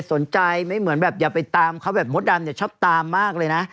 สนใจไม่เหมือนแบบอย่าไปตามเขาแบบมดดำเนี่ยชอบตามมากเลยนะ